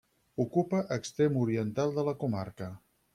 Ocupa extrem oriental de la comarca.